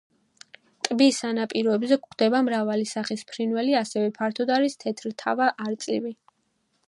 ტბის სანაპიროებზე გვხვდება მრავალი სახის ფრინველი, ასევე ფართოდ არის თეთრთავა არწივი.